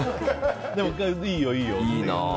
でも、いいよいいよって。